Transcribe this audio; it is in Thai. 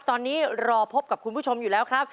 ตอนนี้รอพบกับคุณผู้ชมอยู่แล้วครับ